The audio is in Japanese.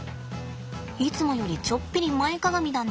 いつもよりちょっぴり前かがみだね。